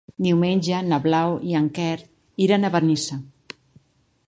Diumenge na Blau i en Quer iran a Benissa.